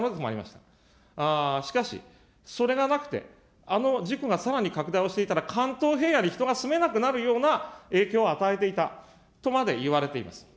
しかし、それがなくて、あの事故がさらに拡大をしていたら、関東平野に人が住めなくなるような影響を与えていたとまで言われています。